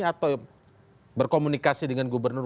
atau berkomunikasi dengan gubernur